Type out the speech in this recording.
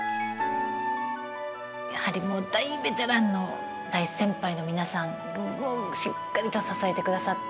やはりもう大ベテランの大先輩の皆さんがしっかりと支えてくださって。